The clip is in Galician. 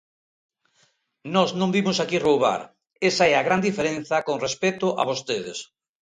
Nós non vimos aquí roubar, esa é a gran diferenza con respecto a vostedes.